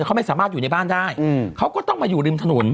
เขาไม่สามารถอยู่ในบ้านได้เขาก็ต้องมาอยู่ริมถนน